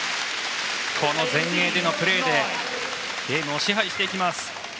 この前衛でのプレーでゲームを支配していきます。